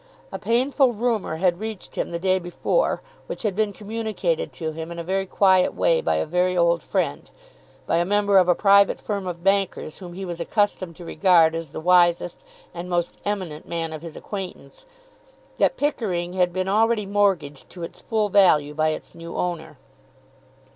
A painful rumour had reached him the day before, which had been communicated to him in a very quiet way by a very old friend, by a member of a private firm of bankers whom he was accustomed to regard as the wisest and most eminent man of his acquaintance, that Pickering had been already mortgaged to its full value by its new owner.